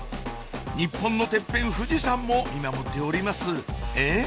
日本のテッペン富士山も見守っておりますえ？